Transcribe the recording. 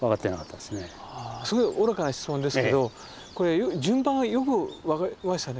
すごい愚かな質問ですけどこれ順番はよく分かりましたね。